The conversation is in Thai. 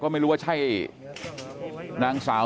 กลุ่มตัวเชียงใหม่